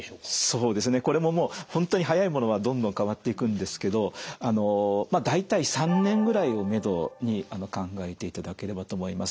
そうですねこれももう本当に早いものはどんどん変わっていくんですけどまあ大体３年ぐらいを目処に考えていただければと思います。